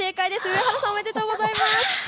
上原さん、おめでとうございます。